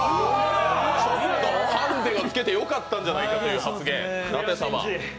ちょっとハンデをつけてよかったんじゃないかという発言。